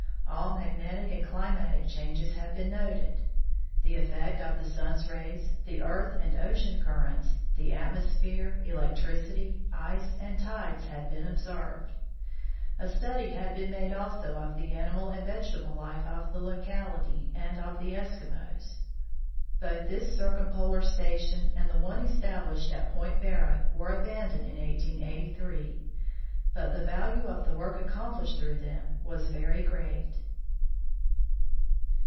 All magnetic and climatic changes had been noted. The effect of the sun's rays, the earth and ocean currents, the atmosphere, electricity, ice, and tides had been observed. A study had been made, also, of the animal and vegetable life of the locality, and of the Eskimos. Both this Circumpolar station and the one established at Point Barrow were abandoned in 1883, but the value of the work accomplished through them was very great.